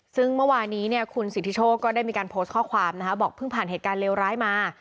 ซึ่งเมื่อวานี้เนี่ยคุณสิทธิโชคก็ได้มีการโพสต์ข้อความนะคะบอกเพิ่งผ่านเหตุการณ์เลวร้ายมา